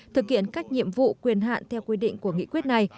thực hiện các nhiệm vụ quyền hạn theo quy định của nghị quyết này